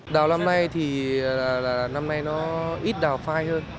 đào năm nay thì năm nay nó ít đào phai hơn